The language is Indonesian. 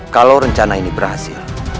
kalau rencana ini berhasil